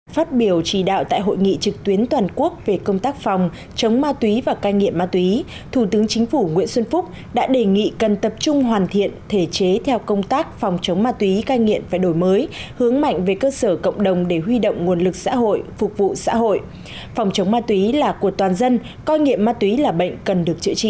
phát biểu trì đạo tại hội nghị trực tuyến toàn quốc về công tác phòng chống ma túy và cai nghiện ma túy thủ tướng chính phủ nguyễn xuân phúc đã đề nghị cần tập trung hoàn thiện thể chế theo công tác phòng chống ma túy cai nghiện và đổi mới hướng mạnh về cơ sở cộng đồng để huy động nguồn lực xã hội phục vụ xã hội phòng chống ma túy là của toàn dân coi nghiệm ma túy là bệnh cần được chữa trị